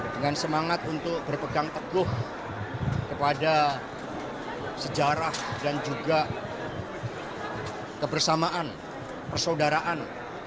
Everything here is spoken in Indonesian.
dengan semangat untuk berpegang teguh kepada sejarah dan juga kebersamaan persaudaraan